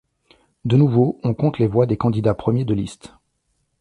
De nouveau, on compte les voix des candidats premiers de liste.